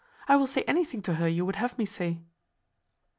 I will say anything to her you would have me say."